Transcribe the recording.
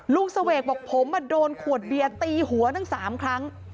เสวกบอกผมโดนขวดเบียร์ตีหัวตั้ง๓ครั้ง